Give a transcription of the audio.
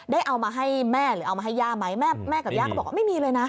ได้เอามาให้แม่หรือเอามาให้ย่าไหมแม่แม่กับย่าก็บอกว่าไม่มีเลยนะ